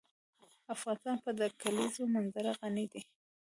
افغانستان په د کلیزو منظره غني دی.